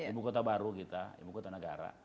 ibu kota baru kita ibu kota negara